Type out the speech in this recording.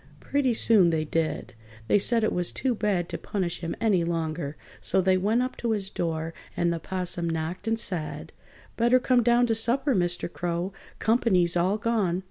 Pretty soon they did. They said it was too bad to punish him any longer, so they went up to his door, and the 'Possum knocked and said: "Better come down to supper, Mr. Crow. Comp'ny's all gone!"